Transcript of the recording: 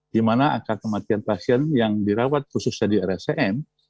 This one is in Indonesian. dimana angka kematian pasien yang dirawat khususnya di rsn